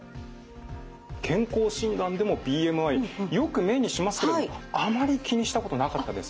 健康診断でもＢＭＩよく目にしますけれどもあまり気にしたことなかったです。